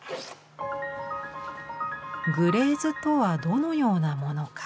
グレーズとはどのようなものか。